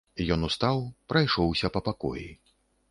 Ён устаў, прайшоўся па пакоі.